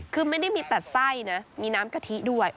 คือไม่ได้มีแต่ไส้นะมีน้ำกะทิด้วย